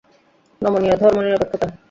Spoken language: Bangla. নমনীয় ধর্মনিরপেক্ষতা।